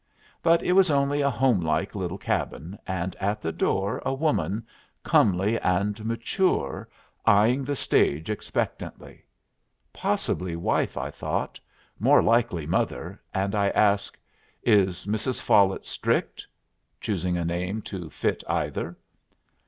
But it was only a homelike little cabin, and at the door a woman, comely and mature, eying the stage expectantly. Possibly wife, I thought, more likely mother, and I asked, "Is Mrs. Follet strict?" choosing a name to fit either.